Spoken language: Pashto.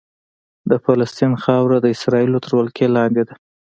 د فلسطین خاوره د اسرائیلو تر ولکې لاندې ده.